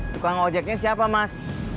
tukang ojeknya siapa mas